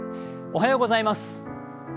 おはようございます。